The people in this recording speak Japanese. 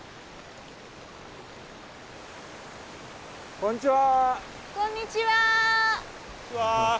こんにちは。